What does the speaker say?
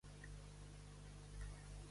El origen del sándwich St.